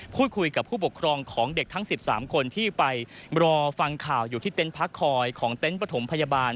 พูดคุยกับผู้ปกครองของเด็กทั้ง๑๓คนที่ไปรอฟังข่าวอยู่ที่เต็นต์พักคอยของเต็นต์ปฐมพยาบาล